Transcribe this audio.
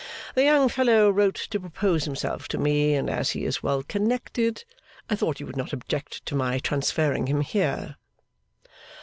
'The young fellow wrote to propose himself to me; and as he is well connected, I thought you would not object to my transferring him here.